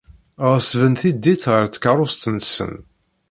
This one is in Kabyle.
Ɣeṣben tiddit ɣer tkeṛṛust-nsen.